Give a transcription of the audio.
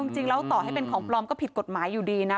จริงแล้วต่อให้เป็นของปลอมก็ผิดกฎหมายอยู่ดีนะ